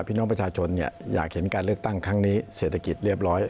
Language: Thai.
พี่น้องประชาชนอยากเห็นการเลือกตั้งครั้งนี้เศรษฐกิจเรียบร้อย